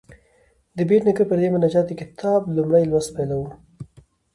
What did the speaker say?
د بېټ نیکه پر دې مناجات د کتاب لومړی لوست پیلوو.